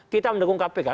kita mendukung kpk